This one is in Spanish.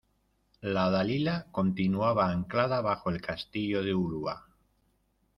" la Dalila " continuaba anclada bajo el Castillo de Ulua